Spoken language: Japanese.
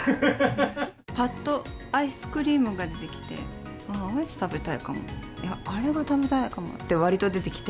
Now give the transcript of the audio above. ぱっとアイスクリームが出てきて、あー、アイス食べたいかも、いや、あれが食べたいかもってわりと出てきて。